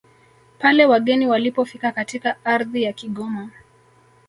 pale wageni walipofika katika ardhi ya Kigoma